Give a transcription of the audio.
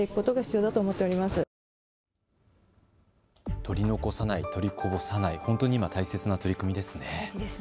取り残さない、取りこぼさない本当に今、大切な取り組みですね。